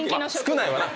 少ないわな。